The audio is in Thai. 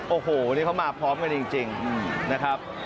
โอ้โหนี่เขามาพร้อมกันจริงนะครับ